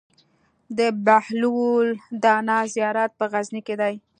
د بهلول دانا زيارت په غزنی کی دی